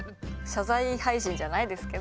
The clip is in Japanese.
謝罪配信じゃないですけど。